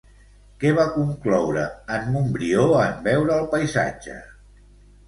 Què va concloure en Montbrió en veure el paisatge?